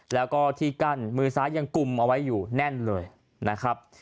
แล้วก็ที่กั้นมือซ้ายยังกุมเอาไว้อยู่แน่นเลยนะครับ